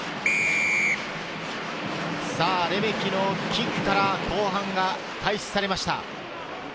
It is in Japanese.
レメキのキックから後半が開始されました。